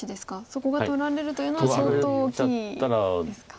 そこが取られるというのは相当大きいですか。